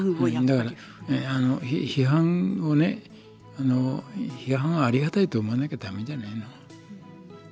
だから批判をね批判はありがたいと思わなきゃ駄目じゃないの？